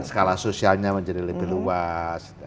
skala sosialnya menjadi lebih luas